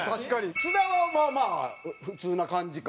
津田はまあまあ普通な感じか。